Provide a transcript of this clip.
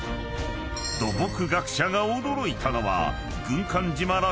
［土木学者が驚いたのは］